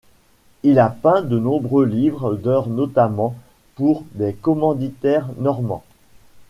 Il a peint de nombreux livres d'heures notamment pour des commanditaires normands.